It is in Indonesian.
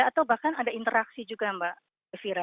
atau bahkan ada interaksi juga mbak elvira